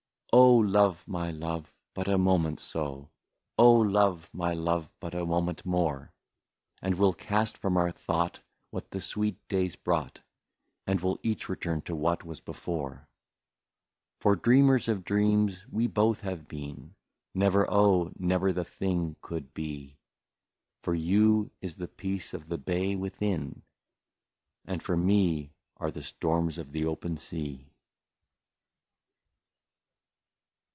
Oh ! love, my love, but a moment so, Oh ! love, my love, but a moment more ; And we *11 cast from our thought what the sweet days brought. And we *11 each return to what was before. For dreamers of dreams we both have been, — Never, oh ! never, the thing could be ; For you is the peace of the bay within, And for me are the storms of the open sea.